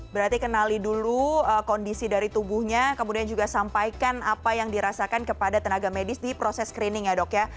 berarti kenali dulu kondisi dari tubuhnya kemudian juga sampaikan apa yang dirasakan kepada tenaga medis di proses screening ya dok ya